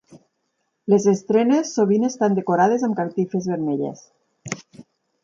Les estrenes sovint estan decorades amb catifes vermelles.